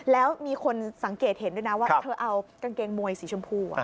แล้วมีคนสังเกตเห็นด้วยนะว่าเธอเอากางเกงมวยสีชมพู